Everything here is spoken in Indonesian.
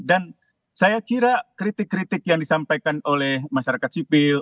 dan saya kira kritik kritik yang disampaikan oleh masyarakat sipil